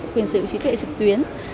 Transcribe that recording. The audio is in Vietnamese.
quyền sự trí tuệ trực tuyến